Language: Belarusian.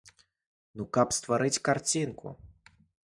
Ну, каб стварыць карцінку.